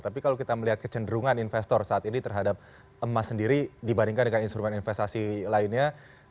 tapi kalau kita melihat kecenderungan investor saat ini terhadap emas sendiri dibandingkan dengan instrumen investasi lainnya